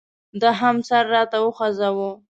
ده هم سر راته وخوځاوه.